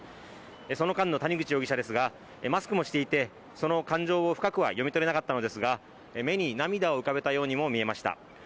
その間の谷口容疑者ですが、マスクもしていてその感情を深くは読み取れなかったのですが目に涙を浮かべたようにも見えました。